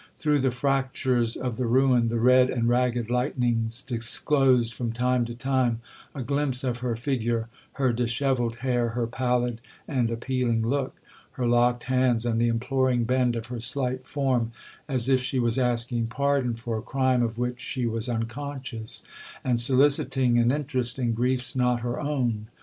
Through the fractures of the ruin the red and ragged lightnings disclosed, from time to time, a glimpse of her figure,—her dishevelled hair,—her pallid and appealing look,—her locked hands, and the imploring bend of her slight form, as if she was asking pardon for a crime of which she was unconscious,—and soliciting an interest in griefs not her own.